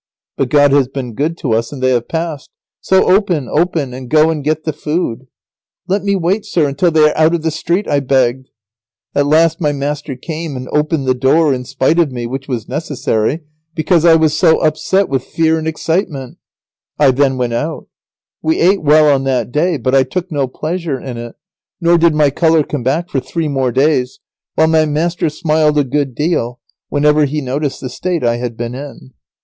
But God has been good to us, and they have passed. So open, open, and go and get the food." "Let me wait, sir, until they are out of the street," I begged. [Sidenote: At last the esquire unbars the door, and Lazaro does his marketing.] At last my master came and opened the door in spite of me, which was necessary, because I was so upset with fear and excitement. I then went out. We ate well on that day, but I took no pleasure in it, nor did my colour come back for three more days, while my master smiled a good deal, whenever he noticed the state I had been in.